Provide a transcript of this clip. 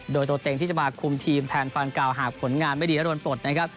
โดยตัวเต็งที่จะมาคุมทีมแทนแฟนเก่าหากผลงานไม่ดีแล้วโดนปลดนะครับ